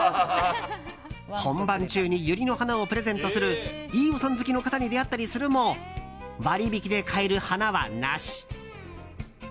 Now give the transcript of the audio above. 本番中にユリの花をプレゼントする飯尾さん好きの方に出会ったりするも割引で買える花はなし。